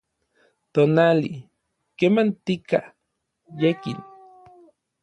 tonali, kemantika, yekin